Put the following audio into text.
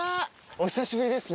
お久しぶりですね。